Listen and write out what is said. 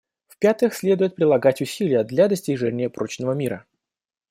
В-пятых, следует прилагать усилия для достижения прочного мира.